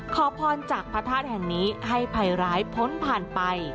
ขอพรจากพระธาตุแห่งนี้ให้ภัยร้ายพ้นผ่านไป